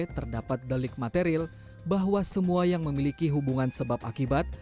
terdapat delik material bahwa semua yang memiliki hubungan sebab akibat